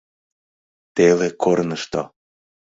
ТЕЛЕ КОРНЫШТО